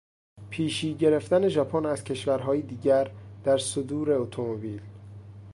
پیشی گرفتن ژاپن از کشورهای دیگر در صدور اتومبیل